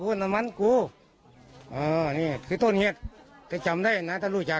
แล้วน้ำมันกูอ๋อนี่คือต้อนเฮียดแต่จำได้นะถ้ารู้จักอ่ะ